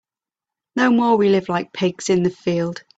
No more we live like pigs in the field.